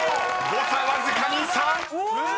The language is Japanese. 誤差わずかに３］うわ！